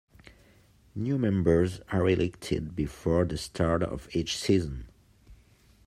New members are elected before the start of each season.